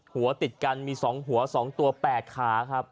หัวติดกันมี๒หัว๒ตัว๘ขาครับ